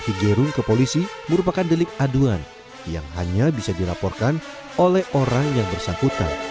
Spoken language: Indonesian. kigerung ke polisi merupakan delik aduan yang hanya bisa dilaporkan oleh orang yang bersangkutan